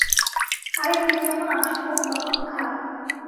আরেক দিন যখন আসব, তখন খাব।